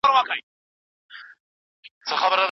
مسؤلیت منل د ښه شخصیت نښه ده.